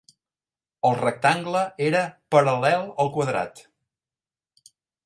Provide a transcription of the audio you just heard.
El rectangle era paral·lel al quadrat.